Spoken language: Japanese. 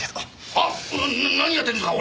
あっ何やってんですか！？